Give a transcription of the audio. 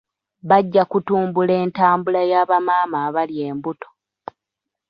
Bajja kutumbula entambula ya bamaama abali embuto.